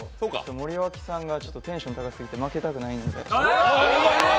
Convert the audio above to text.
森脇さんがテンション高過ぎて負けたくないんで。